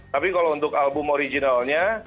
tapi kalau untuk album originalnya